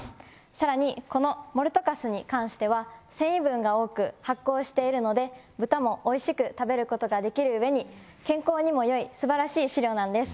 更にこのモルト粕に関しては繊維分が多く発酵しているので豚も美味しく食べることができるうえに健康にもよいすばらしい飼料なんです。